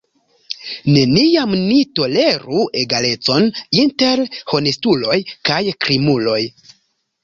Neniam ni toleru egalecon inter honestuloj kaj krimuloj!